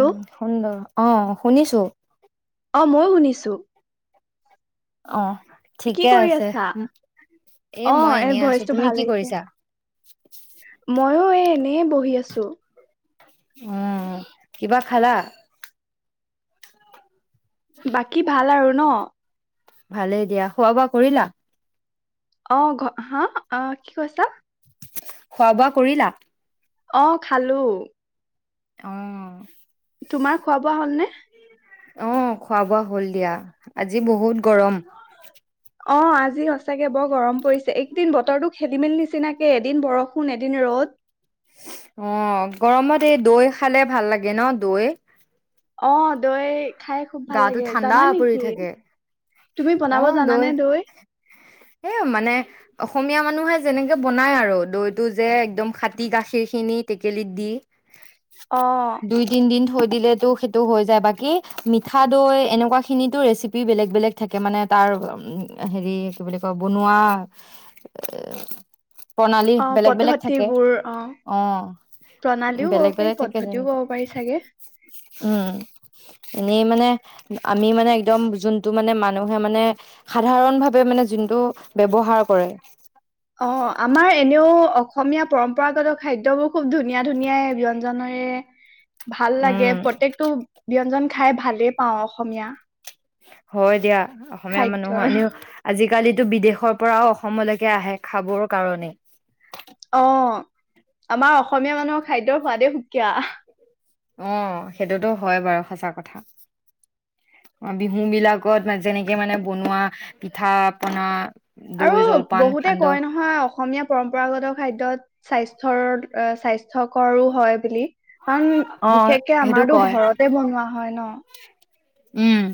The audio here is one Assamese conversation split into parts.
উম সুন অ শুনিছো। অ মইও শুনিছো। অ কি ঠিকে কৰি আছে আছা? অ মই এ এনেই আছো ভইচটো তুমি ভাল কি হৈছে। কৰিছা মইও এই এনেই বহি আছো। উম কিবা খালা? বাকী ভাল আৰু? ন? ভালেই দিয়া খোৱা বোৱা কৰিলা? অ, হা আহ কি কৈছা? খোৱা বোৱা কৰিলা? অ খালো। অ, তোমাৰ খোৱা বোৱা হলনে অ খোৱা বোৱা হল দিয়া। আজি বহুত গৰম। অ আজি সঁচাকে বৰ গৰম পৰিছে এইকেইদিন বতৰটো খেলি মেলি নিচিনাকে এদিন বৰষুণ এদিন ৰদ অ গৰমত এই দৈ খালে ভাল লাগে ন দৈ? অ দৈ খাই খুব ভাল গাটো লাগে ঠাণ্ডা জানা পৰি নেকি থাকে, তুমি অ বনাব দৈ জানানে এ মানে অসমীয়া মানুহে যেনেকে বনাই আৰু দৈ টো যে একদম খাটি গাখীৰখিনি টেকেলিত দি অ দুই তিন দিন থৈ দিলেটো সেইটো হৈ যায় বাকী। [unintelligible] মিঠা দৈ এনেকুৱাখিনিটো ৰেচিপি বেলেগ-বেলেগ থাকে মানে তাৰ হেৰি কি বুলি কয় বনোৱা এ প্ৰণালী অ বেলেগ-বেলেগ থাকে, পদ্ধতিবোৰ অ প্ৰণালীও ক'ব পাৰি বেলেগ-বেলেগ থাকে পদ্ধতিও ক'ব পাৰি চাগে যেনেকুৱা উম মানে, আমি মানে একদম জোনটো মানে মানুহে মানে সাধাৰণ ভাৱে মানে জোনটো ব্যৱহাৰ কৰে। অ, আমাৰ এনেও অ অসমীয়া পৰম্পৰাগত খাদ্যবোৰ খুব ধুনীয়া ধুনীয়াই ব্যঞ্জনেৰে। [unintelligible] ভাল উম লাগে প্ৰত্যেকটো ব্যঞ্জন। খাই ভালেই পাওঁ অসমীয়া হয় দিয়া অসমীয়া খাদ্যৰ মানুহৰ এনেও আজি কালিতো বিদেশৰ পৰাও অসমলৈকে আহে খাবৰ কাৰণে। অ আমাৰ অসমীয়া মানুহৰ খাদ্য সোৱাদেই সুকীয়া। অ সেইটোতো হয় বাৰু সঁচা কথা অ বিহু বিলাকত যেনেকে মানে বনোৱা পিঠা পনা দৈ আৰু জলপান বহুতে সান্দহ কয় নহয় অসমীয়া পৰম্পৰাগত খাদ্যত স্বাস্থ স্থ্যৰ স্বাস্থ্যকৰো হয় বুলি। অ কাৰণ বিশেষকে সেইটো আমাৰতো কয় ঘৰতে বনোৱা হয় ন। উম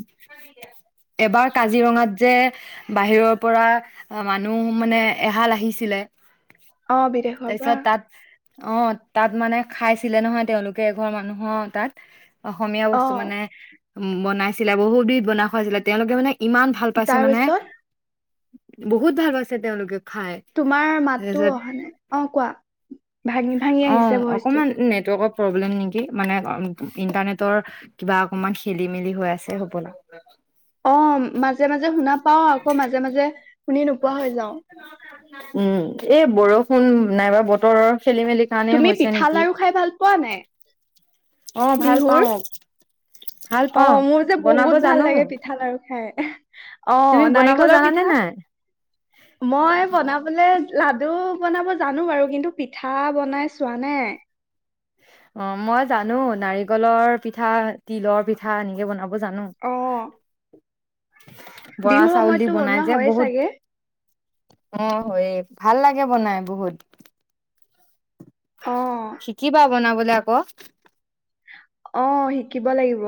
এবাৰ কাজিৰঙাত যে বাহিৰৰ পৰা মানুহ মানে এহাল আহিছিলে। অ বিদেশৰ পৰা। তাৰপিছত তাত অ তাত মানে খাই চ ছিলে নহয় তেওঁলোকে এঘৰ মানুহৰ তাত। অসমীয়া অ বস্তু মানে উম, বনাইছিলে বহুত বিধ বনাই খুৱাইছিলে তেওঁলোকে মানে ইমান ভাল পাইছে মানে। তাৰপিছত বহুত ভাল পাইছে তেওঁলোকে খাই তোমাৰ মাতটো তাৰপিছত অহা নাই, অ কোৱা। ভাঙি ভাঙি অ, আহিছে ভইচটো অকণমান নেটৱৰ্ক প্ৰব্লেম নেকি মানে ইন্টাৰনেটৰ কিবা অকণমান খেলি-মেলি হৈ আছে হবলা। অ, মাজে মাজে শুনা পাওঁ আকৌ মাজে মাজে শুনি নোপোৱা হৈ যাওঁ। উম, এই বৰষুণ নাই বা বতৰৰ খেলি মেলি কাৰণে তুমি হৈছে পিঠা নেকি। লাৰু খাই ভাল পোৱা নাই? অ ভাল বিহুৰ পাওঁ। ভাল অ পাওঁ, মোৰ যে বনাব বহুত ভাল জানো। লাগে পিঠা লাৰু খাই অ তুমি বনাব নাৰিকলৰ জানানে পিঠা। নাই? মই বনাবলে লাডু বনাব জানো বাৰু কিন্তু পিঠা বনাই চোৱা নাই। অ মই জানো নাৰিকলৰ পিঠা তিলৰ পিঠা এনেকে বনাব অ জানো। অ বৰা বিহুৰ চাউল দি সময়ততো বনাই বনোৱা যে হয়য়ে বহুত চাগে? অ হৈয়ে ভাল লাগে বনাই বহুত। অ শিকিবা বনাব [unintelligible] অ শিকিব লাগিব।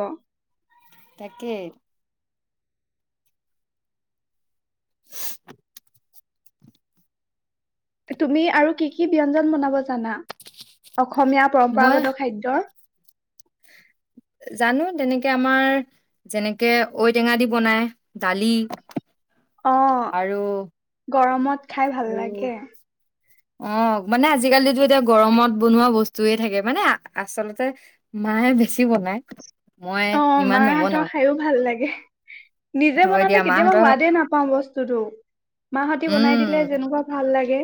তাকে [inaudible] তুমি আৰু কি কি ব্যঞ্জন বনাব জানা? অসমীয়া মই পৰম্পৰাগত খাদ্যৰ জানো তেনেকে আমাৰ যেনেকে ঔটেঙা দি বনাই দালি অ আৰু গৰমত খাই ভাল আৰু লাগে। অ মানে আজিকালি এতিয়া গৰমত বনোৱা বস্তুয়ে থাকে মানে আচলতে মায়ে বেছি বনায়। মই অ ইমান মাৰ হাতৰ নবনাও খাইো ভাল লাগে নিজে হয় দিয়া বনালে কেতিয়াবা মাহঁতৰ সোৱাদে নাপাও বস্তুতটো মাহঁতি উম বনাই দিলে যেনেকুৱা ভাল লাগে।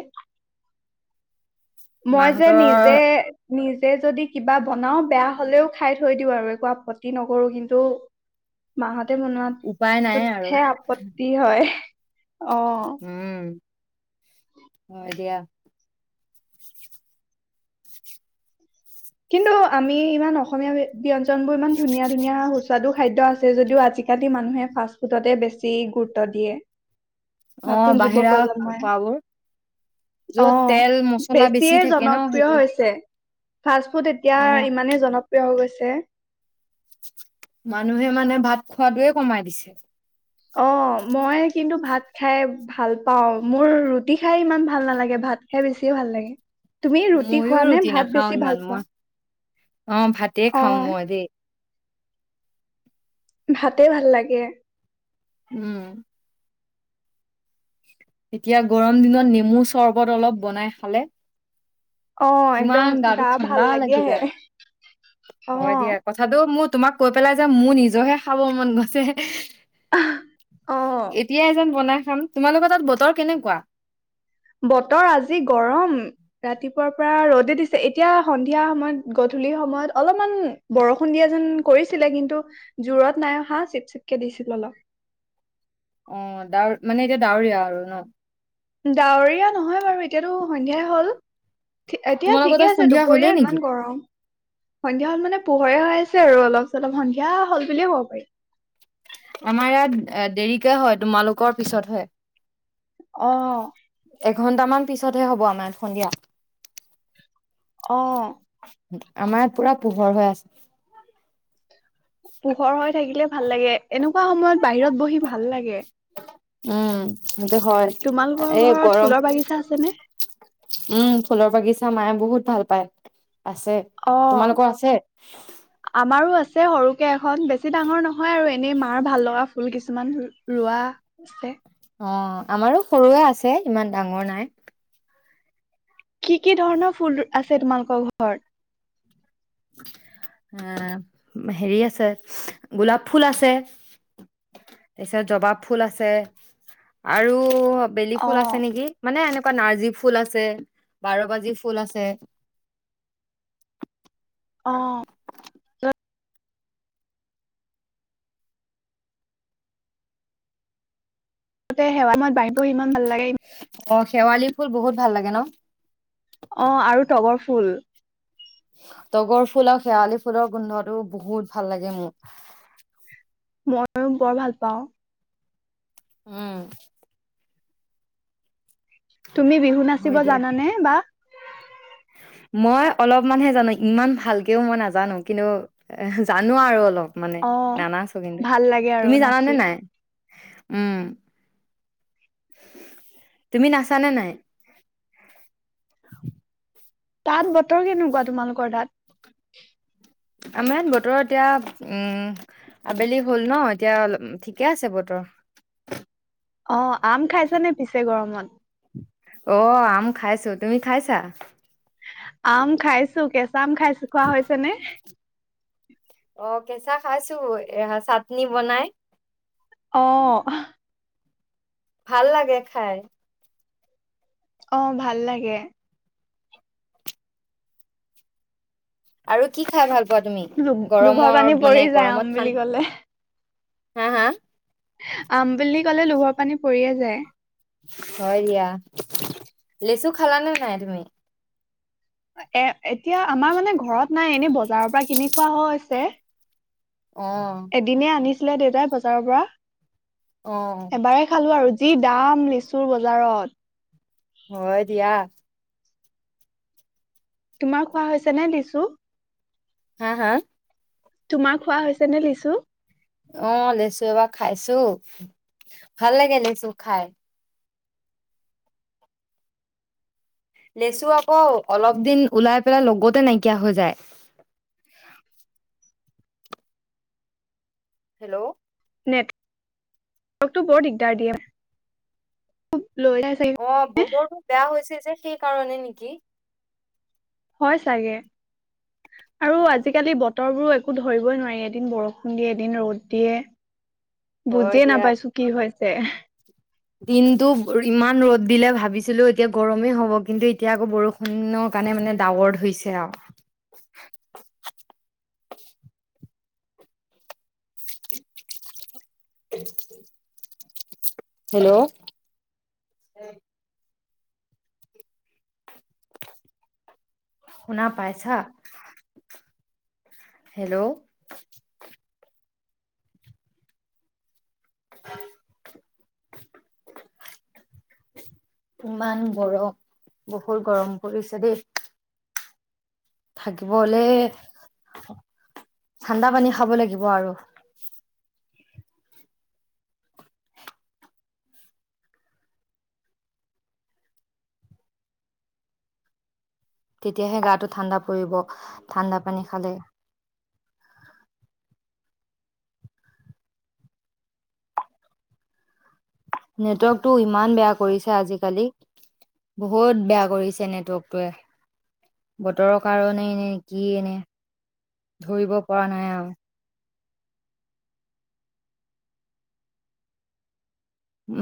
মই যে নিজে মাহঁতৰ নিজে যদি কিবা বনাও বেয়া হলেও খাই থৈ দিওঁ আৰু একো আপত নকৰো কিন্তু মাহত ততে উপায় নাই আৰু বনোৱাততহে আপত্তি হয় অ'। উম হয় দিয়া। কিন্তু আমি ইমান অসমীয়া ব্য ব্যঞ্জ [inaudible] বোৰ‌ ইমান ধুনীয়া ধুনীয়া হৈছে [unintelligible] খাদ্য আছে যদিও আজিকালি মানুহে ফাষ্টফুডতে বেছি গুৰুত্ব দিয়ে। অ নতুন যুৱ বাহিৰা প্ৰজন্মই, খোৱাবোৰ যত অ', তেল মছলা বেছিয়ে বেছি থাকে ন সেইটো ফাষ্টফুড এতিয়া অ ইমানেই জনপ্ৰিয় হৈ গৈছে। ছে মানুহে মানে ভাত খোৱাটোৱে কমাই দিছে। অ মই কিন্তু ভাত খাই ভাল পাওঁ মোৰ ৰুটি খাই ইমান ভাল নালাগে ভাত খাই বেছি ভাল লাগে। তুমি ৰুটি মইয়ো খোৱা নে ৰুটি ভাত নাখাও বেছি ভাল ইমান মই পোৱা? অ ভাতে অ খাম মই দেই। ভাতে ভাল লাগে। উম। এতিয়া গৰম দিনত নেমু চৰ্বত অলপ বনাই খালে অ একদম কিমান গাটো গা ভাল ঠাণ্ডা লাগি আহে যায়, অ। হয় দিয়া কথাটো মোৰ তোমাক কৈ পেলাই যে মোৰ নিজৰহে খাব মন গৈছে। অ এতিয়াই যেন বনাই হম তোমালোকৰ তাত বতৰ কেনেকুৱা? বতৰ আজি গৰম। ৰাতিপুৱাৰ পৰা ৰদে দিছে, এতিয়া সন্ধিয়া সময়ত- গধূলি সময়ত অলপমান বৰষুণ দিয়া যেন কৰিছিলে কিন্তু জোৰত নাই অহা। চিপ-চিপকে দিছিল অলপ। অ ডাৱ মানে এতিয়া ডাৱৰীয়া আৰু ন? ডাৱৰীয়া নহয় বাৰু এতিয়াতো সন্ধিয়াই হল। এতিয়া তোমালোকৰ ঠিকে তাত আছে। সন্ধিয়া হ'লেই দুপৰীয়া নেকি? ইমান গৰম। সন্ধিয়া হয় মানে পোহৰে হৈ আছে আৰু অলপ চলপ, সন্ধিয়া হ'ল বুলিয়ে ক'ব পাৰি। আমাৰ ইয়াত এহ, দেৰিকে হয়, তোমালোকৰ পিছত হয়। অ। এ ঘণ্টামান পিছতহে হব আমাৰ সন্ধিয়া। অ আমাৰ ইয়াত পুৰা পোহৰ হৈ আছে। পোহৰ হৈ থাকিলে ভাল লাগে এনুক খোৱা সময়ত বাহিৰত বহি ভাল লাগে। উম হওঁতে হয় তোমালোকৰ এই ঘৰত গৰম। ফুলৰ বাগিচা আছেনে উম ফুলৰ বাগিছা মায়ে বহুত ভাল পায়। আছে। অ তোমালোকৰ আছে? যে সৰুকে এখন বেছি ডাঙৰ নয় নহয় আৰু এনেই মাৰ ভাল লগা ফুল কিছু কিছুমান ৰোৱা আছে অ আমাৰো সৰুৱে আছে ইমান ডাঙৰ নাই। কি কি ধৰণৰ ফুল আছে তোমালোকৰ ঘৰত? এ হেৰি আছে গোলাপ ফুল আছে তাৰপিছত জবা ফুল আছে আৰু বেলি অ ফুল আছে নেকি, মানে এনে নাৰ্জী ফুল আছে বাৰ বাজি ফুল আছে। অ। তাতে সেৱাসমূহ বাঢ়িব ইমান ভাল লাগেই। অ', শেৱালি ফুল বহুত ভাল লাগে ন? অ আৰু তগৰ ফুল। তগৰ ফুল আৰু শেৱালি ফুলৰ গোন্ধটো বহুত ভাল লাগে মোৰ ময়ো বৰ ভাল পাওঁ। উম তুমি বিহু নাচিব হয় দিয়া জানানে বা? মই অলপমানহে জানো ইমান ভালকেও মই নাজানো কিন্তু এ জানো আৰু অলপ মানে অ নানাছোঁ কিন্তু ভাল লাগে আৰু তুমি জানানে নাচি নাই? উম, তুমি নাচানে নাই? তাত বতৰ কেনেকুৱা তোমালোকৰ তাত? আমাৰ ইয়াত বতৰ এতিয়া উম, আবেলি হ'ল ন' এতিয়া ঠিকে আছে বতৰ। অ', আম খাইছা নে পিছে গৰমত? অ', আম খাইছো, তুমি খাইছা? আম খাইছো কেচ আম খাইছো, খোৱা হৈছেনে? [inaudible] অ', কেঁচা খাইছো, চাটনি বনাই। অ'। ভাল লাগে খাই। অ', ভাল লাগে। আৰু কি খাই ভাল পোৱা তুমি লোভ-লোভৰ গৰমৰ পানী মানে পৰি যায় গৰমত আম ঠান বুলি কলে। হা হা। আম বুলি ক'লে লোভৰ পানী পৰিয়ে যায়। [inaudible] হয় দিয়া। লিচু খালানে নাই তুমি? এ এতিয়া আমাৰ মানে ঘৰত নাই, এনে বজাৰৰ পৰা কিনি খোৱা হৈছে। অ এদিনেই আনিছি [unintelligible] দেউতাই বজাৰৰ পৰা। অ এবাৰেই খালো আৰু। কি দাম লিচুৰ বজাৰত। হয় দিয়া। তোমাৰ খোৱা হৈছে নে লিচু? হা হা? তোমাৰ খোৱা হৈছে নে লিচু? অ', লেচু এইবাৰ খাইছোঁ, ভাল লাগে লেচু খাই। লেচু আকৌ অলপ দিন উলাই পেলে, লগতে নাইকিয়া হৈ যায়। হেল্ল'। নেট ৱৰ্কটো বৰ দিগদাৰ দিয়ে। লৈ যাই চাগে অ', বতৰটো বেয়া হৈছে যে সেইকাৰণে নেকি? হয় চাগে। আৰু উম, আজিকালি বতৰবোৰ একো ধৰিবয়ে নোৱাৰি এদিন বৰষুণ দিয়ে, এদিন ৰ'দ দিয়ে। হয় বুজিয়ে নাপাইছোঁ কি হৈ যে দিনতটো ইমান ৰদ দিলে ভাবিছিলো এতিয়া গৰমেই হব কিন্তু এতিয়া আকৌ বৰষুণৰ কাৰণে মানে ডাৱৰ হৈছে আঅ। [inaudible] হেল্ল? শুনা পাইছা? হেল্ল [inaudible] ইমান গৰম বহুত গৰম পৰিছে দেই। থাকিব হলে ঠাণ্ডা পানী খাব লাগিব আৰু। তেতিয়াহে গাটো ঠাণ্ডা পৰিব ঠাণ্ডা পানী খালে। নেটৱৰ্কটো ইমান বেয়া কৰিছে আজিকালি বহুত বেয়া কৰিছে নেটৱৰ্কটোৱে। বতৰৰ কাৰণে নে কি এ নে। ধৰিব পৰা নাই আৰু।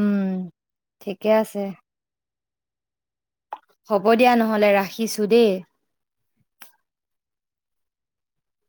উম ঠিকে আছে। হব দিয়া নহলে ৰাখিছো দেই।